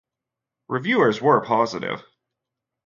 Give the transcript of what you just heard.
Reviewers were positive.